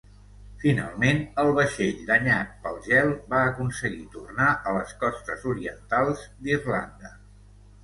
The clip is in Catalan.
Finalment el vaixell, danyat pel gel, va aconseguir tornar a les costes orientals d'Irlanda.